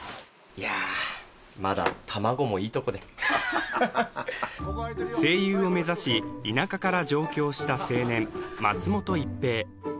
いやまだ卵もいいとこで声優を目指し田舎から上京した青年松本逸平